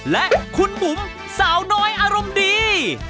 และคุณบุ๋มสาวน้อยอารมณ์ดี